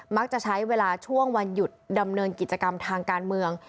จะใช้เวลาช่วงวันหยุดดำเนินกิจกรรมทางการเมือง